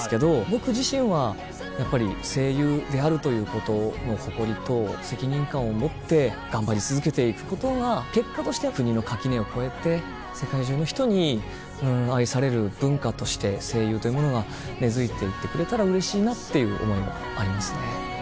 僕自身はやっぱり声優であるということの誇りと責任感を持って頑張り続けて行くことが結果として国の垣根を越えて世界中の人に愛される文化として声優というものが根付いて行ってくれたらうれしいなっていう思いはありますね。